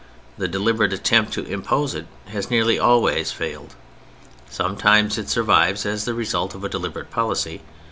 The deliberate attempt to impose it has nearly always failed. Sometimes it survives as the result of a deliberate policy.